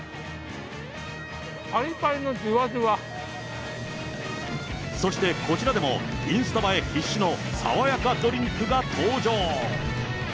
ぱりぱりのじゅわじゅそしてこちらでも、インスタ映え必至の爽やかドリンクが登場。